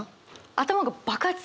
頭が爆発？